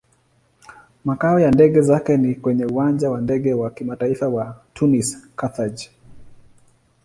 Makao ya ndege zake ni kwenye Uwanja wa Ndege wa Kimataifa wa Tunis-Carthage.